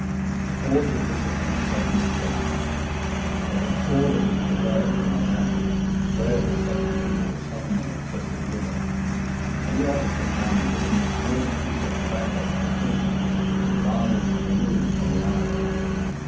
The cords of discipline are suddenly drawn tight. For the disorder which prevailed when I landed, Frere has substituted a sudden and excessive rigour. Any officer found giving the smallest piece of tobacco to a prisoner is liable to removal from the island..